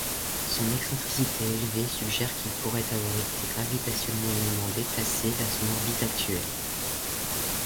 Son excentricité élevée suggère qu'il pourrait avoir été gravitationnellement déplacé vers son orbite actuelle.